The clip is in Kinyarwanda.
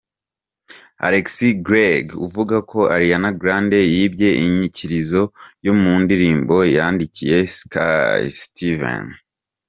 Alex Greggs uvuga ko Ariana Grande yibye inyikirizo yo mu ndirimbo yandikiye Skye Stevens.